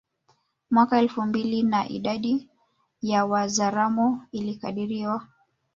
Mwaka elfu mbili na idadi ya Wazaramo ilikadiriwa